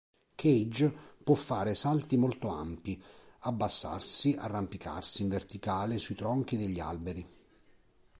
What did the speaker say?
Kage può fare salti molto ampi, abbassarsi, arrampicarsi in verticale sui tronchi degli alberi.